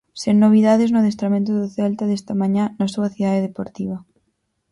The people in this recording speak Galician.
Sen novidades no adestramento do Celta desta mañá na súa Cidade Deportiva.